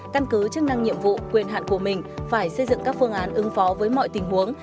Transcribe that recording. căn cứ chức năng nhiệm vụ quyền hạn của mình phải xây dựng các phương án ứng phó với mọi tình huống